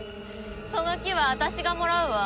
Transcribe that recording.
その樹は私がもらうわ。